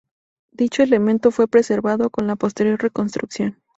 Dicho elemento fue preservado con la posterior reconstrucción.